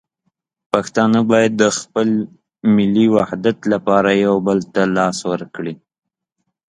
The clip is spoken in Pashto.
پښتانه باید د خپل ملي وحدت لپاره یو بل ته لاس ورکړي.